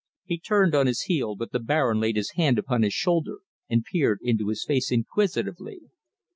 He turned on his heel, but the Baron laid his hand upon his shoulder and peered into his face inquisitively.